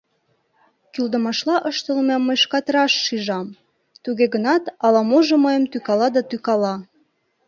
Кӱлдымашла ыштылмем мый шкат раш шижам; туге гынат ала-можо мыйым тӱкала да тӱкала.